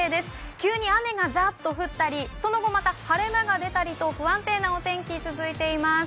急に雨がザッと降ったり、その後また晴れ間が出たりと不安定なお天気続いています。